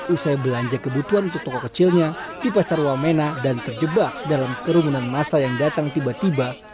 usai belanja kebutuhan untuk toko kecilnya di pasar wamena dan terjebak dalam kerumunan masa yang datang tiba tiba